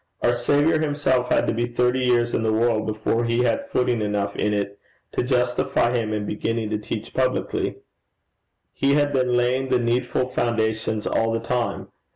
Our Saviour himself had to be thirty years in the world before he had footing enough in it to justify him in beginning to teach publicly: he had been laying the needful foundations all the time.